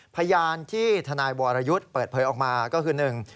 พยานที่ทนายวรยุทธ์เปิดเผยออกมาก็คือหนึ่ง